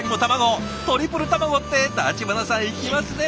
トリプル卵って橘さんいきますね！